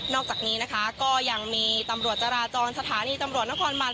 อกจากนี้นะคะก็ยังมีตำรวจจราจรสถานีตำรวจนครมัน